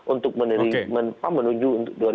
untuk menuju dua ribu dua puluh